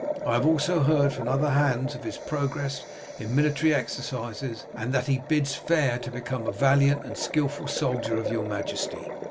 I have also heard from other hands of his progress in military exercises, and that he bids fair to become a valiant and skilful soldier of your majesty.